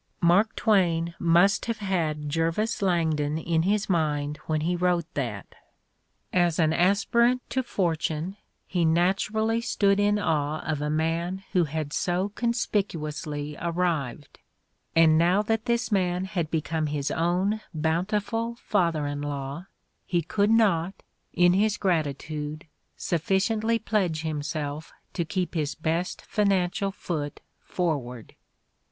Mark Twain must have had Jervis Langdon in his mind when The Candidate for Gentility iii he TiTote that: as an aspirant to fortune, he naturally stood in awe of a man who had so conspicuously arrived, and now that this man had become his own bountiful father in law he could not, in his gratitude, sufficiently pledge himself to keep his best financial foot forward.